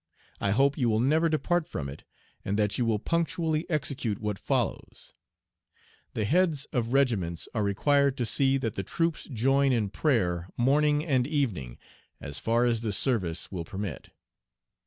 I hope you will never depart from it, and that you will punctually execute what follows: "The heads of regiments are required to see that the troops join in prayer morning and evening, as far as the service will permit.